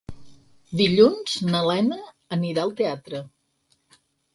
Dilluns na Lena anirà al teatre.